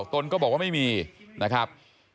ตนก็บอกว่าไม่มีนะครับ